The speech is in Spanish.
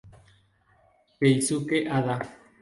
Keisuke Hada